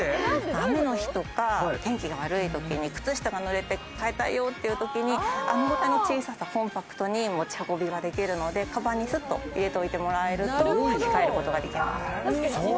雨の日とか天気が悪いときに靴下が濡れて、代えたいよっていうときにあの小ささ、コンパクトに持ち運びができるので、かばんにすっと入れといてもらえると、履き替えることができます。